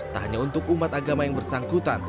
tak hanya untuk umat agama yang bersangkutan